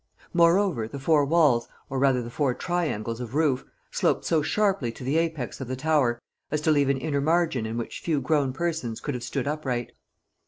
Moreover, the four walls, or rather the four triangles of roof, sloped so sharply to the apex of the tower as to leave an inner margin in which few grown persons could have stood upright.